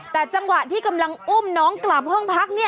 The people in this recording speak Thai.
แต่จังหวะที่กำลังอุ้มน้องกลับห้องพัก